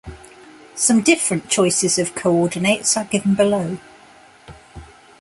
Some different choices of coordinates are given below.